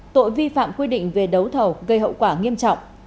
tội vi phạm quy định về đấu thầu gây hậu quả nghiêm trọng